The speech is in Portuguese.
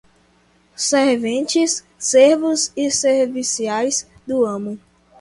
Serventes, servos e serviçais do amo